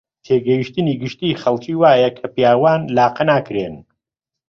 تێگەیشتنی گشتیی خەڵکی وایە کە پیاوان لاقە ناکرێن